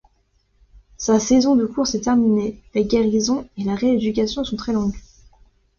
Sa saison de course est terminée… La guérison et la réducation sont très longues.